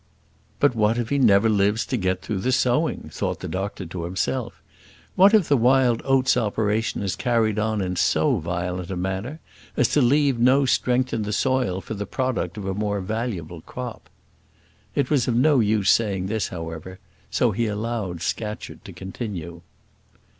"But what if he never lives to get through the sowing?" thought the doctor to himself. "What if the wild oats operation is carried on in so violent a manner as to leave no strength in the soil for the product of a more valuable crop?" It was of no use saying this, however, so he allowed Scatcherd to continue.